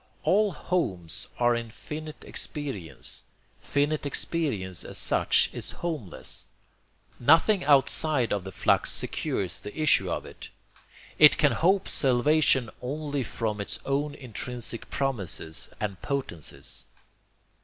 All 'homes' are in finite experience; finite experience as such is homeless. Nothing outside of the flux secures the issue of it. It can hope salvation only from its own intrinsic promises and potencies.